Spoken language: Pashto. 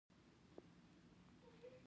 نظامي اردو او ولسي استازولي.